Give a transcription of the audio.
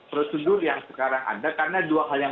prosedur yang sekarang ada karena dua hal yang